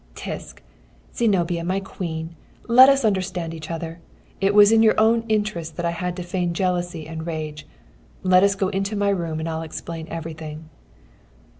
"'Tsitt! Zenobia, my Queen. Let us understand each other. It was in your own interest that I had to feign jealousy and rage. Let us go into my room and I'll explain everything.'